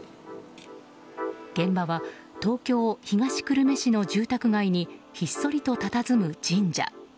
現場は東京・東久留米市の住宅街にひっそりとたたずむ神社。